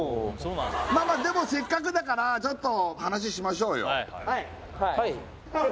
まあまあでもせっかくだからちょっと話しましょうよ